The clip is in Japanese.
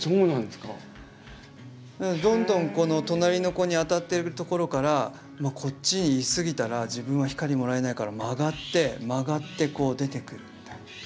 なのでどんどんこの隣の子に当たってるところからこっちにいすぎたら自分は光もらえないから曲がって曲がってこう出てくるみたいな。